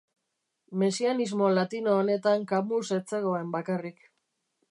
Mesianismo latino honetan Camus ez zegoen bakarrik.